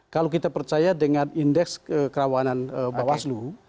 kalau kita percaya dengan indeks kerawanan bawaslu